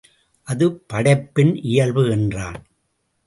அது படைப்பின் இயல்பு என்றான்.